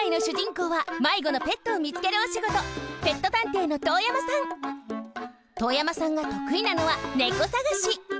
こうはまいごのペットをみつけるおしごと遠山さんがとくいなのは猫さがし。